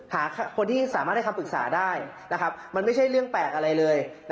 หาคนที่สามารถให้คำปรึกษาได้มันไม่ใช่เรื่องแปลกอะไรเลย